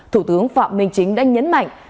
thủ tướng phạm minh chính đã nhấn mạnh